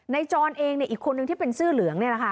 ในจรเองเนี่ยอีกคนนึงที่เป็นสื่อเหลืองเนี่ยนะคะ